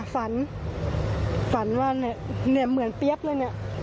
ฝันฝันว่าเนี่ยเหมือนเปี๊ยกเลยเนี่ย